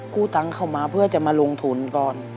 กู้ตังค์เข้ามาเพื่อจะมาลงทุนก่อน